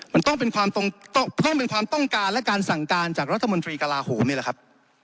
มันต้องเป็นความต้องการและการสั่งการจากรัฐมนตรีกราโหมนี่ครับ